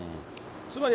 つまり、